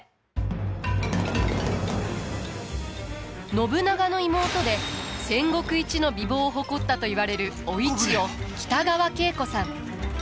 信長の妹で戦国一の美貌を誇ったといわれるお市を北川景子さん。